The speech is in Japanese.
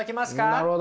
なるほど。